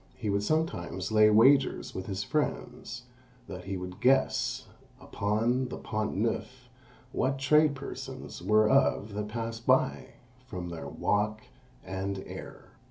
He would sometimes lay wagers with his friends, that he would guess, upon the Pont Neuf, what trade persons were of that passed by, from their walk and air.